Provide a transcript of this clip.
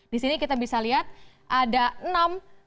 di sini kita bisa lihat ada enam